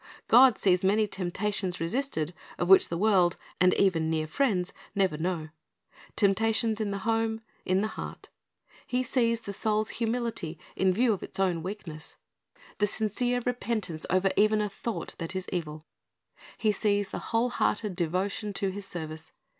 God sees many temptations resisted of which the world, and even near friends, never know, — temptations in the home, in the heart. He sees the soul's humility in view of its own weakness; the sincere repentance 'John 4 :34 404 Christ's Object Lessons over even a thought that is evil. He sees the whole hearted devotion to His service.